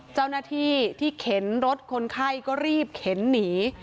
เจ้าหน้าที่ที่เข็นรถคนไข้ก็รีบเข็นหนี